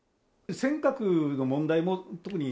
尖閣の問題も特に？